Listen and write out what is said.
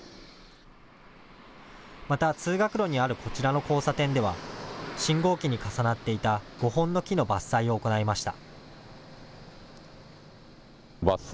また通学路にあるこちらの交差点では、信号機に重なっていた５本の木の伐採を行いました。